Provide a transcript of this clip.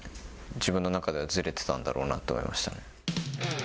自分の中ではずれてたんだろうなと思いましたね。